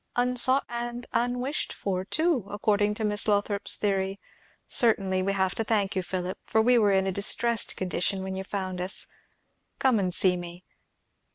"Unsought and unwished for, too, according to Miss Lothrop's theory. Certainly we have to thank you, Philip, for we were in a distressed condition when you found us. Come and see me.